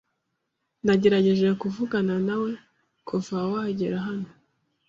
Nagerageje kuvugana nawe kuva wagera hano.